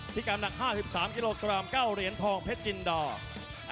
ที่การหนัก๕๓กิโลกรัม๙เหรียญทองเพชรจินดา